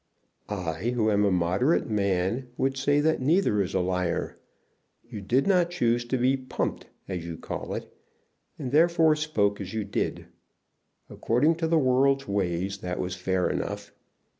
"I, who am a moderate man, would say that neither is a liar. You did not choose to be pumped, as you call it, and therefore spoke as you did. According to the world's ways that was fair enough.